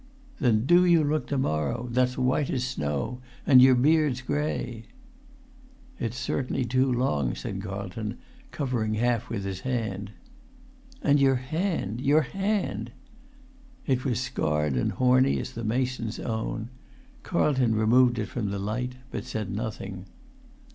"Then do you look to morrow. That's white as snow. And your beard's grey." "It's certainly too long," said Carlton, covering half with his hand. "And your hand—your hand!" It was scarred and horny as the mason's own. Carlton removed it from the light, but said nothing.